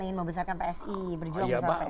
ingin membesarkan psi berjuang